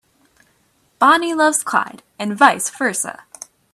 Bonnie loves Clyde and vice versa.